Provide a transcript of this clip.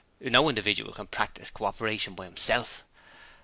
No individual can practise co operation by himself!